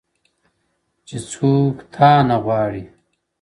چي څوك تا نه غواړي ـ